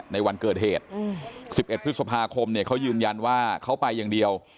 ในวันเกิดเหตุ๑๑พฤษภาคมเนี่ยเขายืนยันว่าเขาไปอย่างเดียว